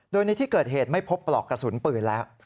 โดยในที่เกิดเหตุไม่พบปลอกกระสุนปืนแล้ว